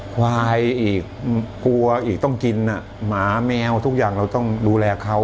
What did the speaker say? ควายอีกกลัวอีกต้องกินหมาแมวทุกอย่างเราต้องดูแลเขา